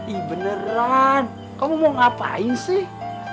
ih beneran kamu mau ngapain sih